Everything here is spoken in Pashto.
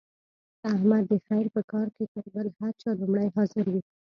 احمد د خیر په کار کې تر بل هر چا لومړی حاضر وي.